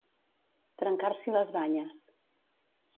Trencar-s'hi les banyes.